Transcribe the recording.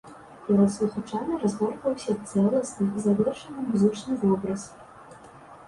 Перад слухачамі разгортваўся цэласны, завершаны музычны вобраз.